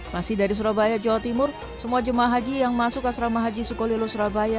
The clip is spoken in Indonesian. masih dari surabaya jawa timur semua jemaah haji yang masuk asrama haji sukolilo surabaya